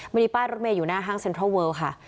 มีป้ายรถเมย์อยู่หน้าห้างเซ็นทรัลเวิลค่ะ